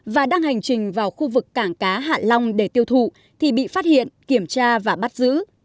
và đang hành trình vào khu vực cảng cá hạ long để tiêu thụ thì bị phát hiện kiểm tra và bắt giữ